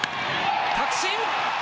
確信。